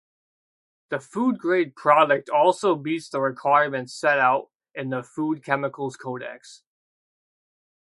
The food-grade product also meets the requirements set out in the Food Chemicals Codex.